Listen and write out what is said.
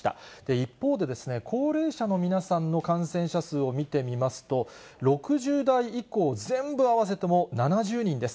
一方で高齢者の皆さんの感染者数を見てみますと、６０代以降、全部合わせても７０人です。